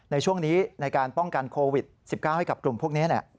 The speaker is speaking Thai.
ในช่วงนี้ในการป้องกันโควิด๑๙ให้กับกลุ่มพวกนี้